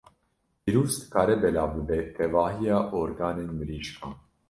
Vîrus dikare belav bibe tevahiya organên mirîşkan.